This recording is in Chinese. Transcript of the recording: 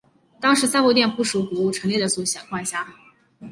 当时三大殿不属古物陈列所管辖。